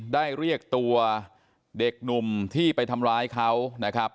ได้เรียกตัวเด็กหนุ่มที่ไปทำร้ายเขานะครับ